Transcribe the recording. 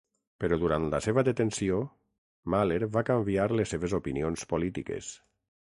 Però durant la seva detenció, Mahler va canviar les seves opinions polítiques.